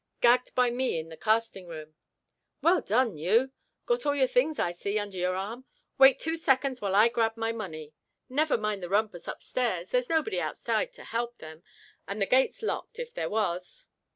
"Gagged by me in the casting room." "Well done, you! Got all your things, I see, under your arm? Wait two seconds while I grab my money. Never mind the rumpus upstairs there's nobody outside to help them; and the gate's locked, if there was."